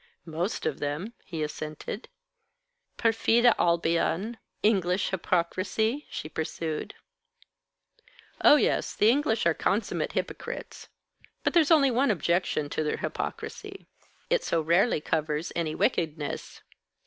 "Most of them," he assented. "Perfide Albion? English hypocrisy?" she pursued. "Oh, yes, the English are consummate hypocrites. But there's only one objection to their hypocrisy it so rarely covers any wickedness.